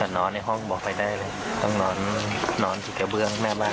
เรานอนในห้องบอกให้ได้เลยต้อง้อนที่เก้าเรืองหน้าบ้าน